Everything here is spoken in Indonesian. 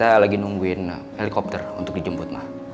jadi ini kita lagi nungguin helikopter untuk dijemput mbak